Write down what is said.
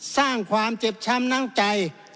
สร้างความเจ็บช้ำน้ำใจ